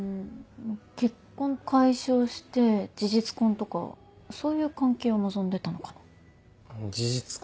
結婚解消して事実婚とかそういう関係を望んでたのかな？事実婚。